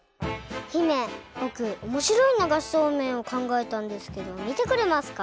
姫ぼくおもしろいながしそうめんをかんがえたんですけどみてくれますか？